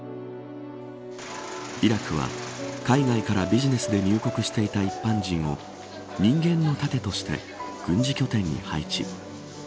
イラクは海外からビジネスで入国していた一般人を人間の盾として軍事拠点に配置。